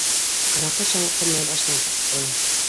Араҡы шауҡымы башына сыҡты